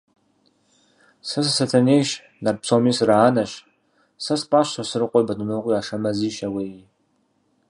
Сэ сы-Сатэнейщ, нарт псоми сыраанэщ; сэ спӀащ Сосрыкъуи, Бадынокъуи, Ашэмэзи, Щауеи.